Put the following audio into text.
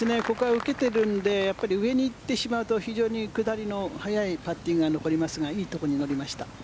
ここは受けているので上に行ってしまうと非常に下りの速いパッティングが残りますがいいところになりました。